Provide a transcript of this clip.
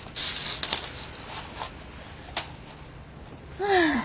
ああ。